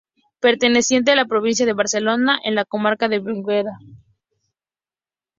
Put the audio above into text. Perteneciente a la provincia de Barcelona, en la comarca del Berguedá.